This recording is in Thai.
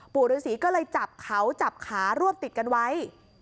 ปู่ฤษีก็เลยจับเขาจับขารวบติดกันไว้